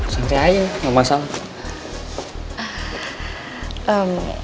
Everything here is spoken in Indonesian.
santai aja gak masalah